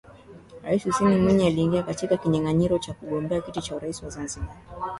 Rais Hussein Mwinyi aliingia katika kinyanganyiro Cha kugombea kiti cha urais wa Zanzibar